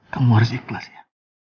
kamu harus ikhlas ya